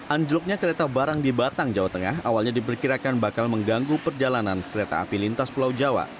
anjloknya kereta barang di batang jawa tengah awalnya diperkirakan bakal mengganggu perjalanan kereta api lintas pulau jawa